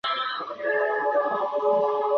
这时旁人把两人分开了。